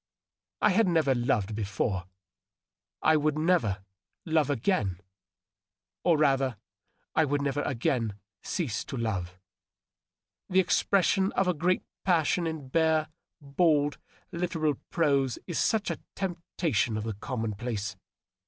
I had never loved before ; I would never love again — or, rather, I would never again cease to love. The expression of a great passion in bare, bald, literal prose is such a temp tation of the commonplace.